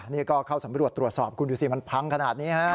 นี่ก็เข้าสำรวจตรวจสอบคุณดูสิมันพังขนาดนี้ฮะ